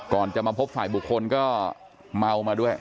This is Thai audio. ก่อนจะมาพบฝ่ายบุคคลก็เมามาด้วย